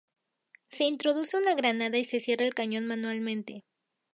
Se introduce una granada y se cierra el cañón manualmente.